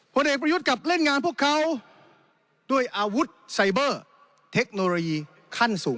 ผลเอกประยุทธ์กลับเล่นงานพวกเขาด้วยอาวุธไซเบอร์เทคโนโลยีขั้นสูง